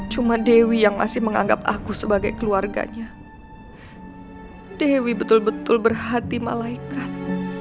cuma dewi yang masih menganggap aku sebagai keluarganya dewi betul betul berhati malaikat